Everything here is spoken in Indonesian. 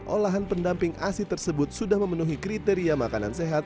olahan pendamping asi tersebut sudah memenuhi kriteria makanan sehat